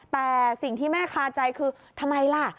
แต่สิ่งที่แม่คาใจคือทำไมล่ะ